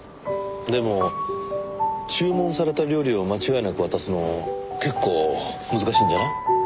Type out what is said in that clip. でも注文された料理を間違いなく渡すの結構難しいんじゃない？